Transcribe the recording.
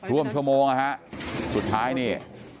ร่วมชั่วโมงนะฮะสุดท้ายนี่